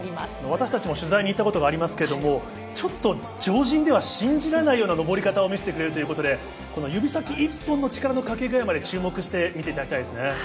私たちも取材に行ったことがありますがちょっと常人では信じられないような登り方を見せてくれるということで指先１本の力のかけ具合まで注目して見ていただきたいですね。